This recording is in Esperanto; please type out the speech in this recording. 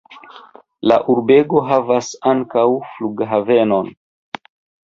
La urbego havas ankaŭ flughavenon.